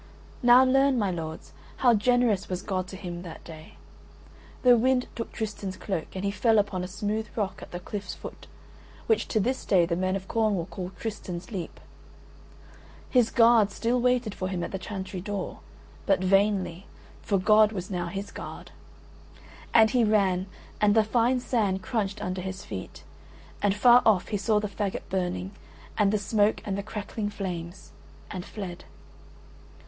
Now learn, my lords, how generous was God to him that day. The wind took Tristan's cloak and he fell upon a smooth rock at the cliff's foot, which to this day the men of Cornwall call "Tristan's leap." His guards still waited for him at the chantry door, but vainly, for God was now his guard. And he ran, and the fine sand crunched under his feet, and far off he saw the faggot burning, and the smoke and the crackling flames; and fled.